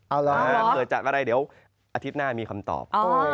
เอ้าเหรอก็ได้เดี๋ยวอาทิตย์หน้ามีคำตอบ